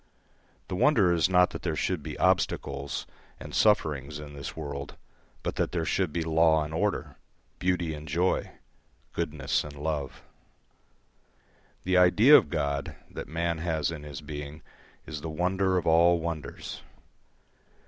The wonder is not that there should be obstacles and sufferings in this world, but that there should be law and order, beauty and joy, goodness and love. The idea of God that man has in his being is the wonder of all wonders.